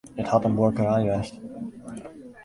It hat in buorkerij west.